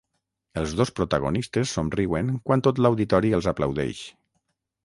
Els dos protagonistes somriuen quan tot l'auditori els aplaudeix.